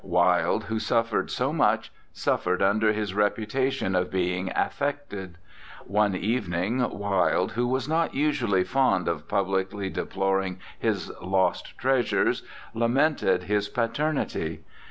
Wilde, who suffered so much, suffered under his reputation of being affected. One evening Wilde, who was not usually fond of publicly deploring his lost treasures, lamented his paternity.